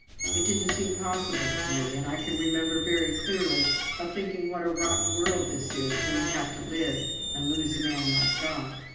It didn't seem possible to me, and I can remember very clearly of thinking what a rotten world this is when we have to live and lose a man like Doc.